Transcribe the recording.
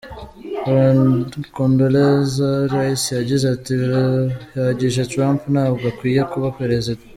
Condoleezza Rice yagize ati “Birahagije! Trump ntabwo akwiye kuba Perezida.